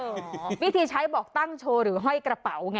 วิธีใช้บอกตั้งโชว์หรือห้อยกระเป๋าไง